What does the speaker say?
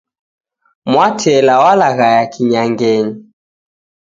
Mwatela walaghaya kinyangenyi.